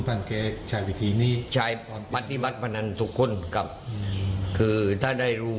ฟันเกจ่ายวิธีนี้ใช้ปฏิบัติพนันทุกคนกับคือถ้าได้รู้